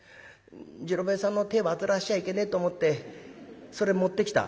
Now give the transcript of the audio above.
次郎兵衛さんの手煩わしちゃいけねえと思ってそれ持ってきた」。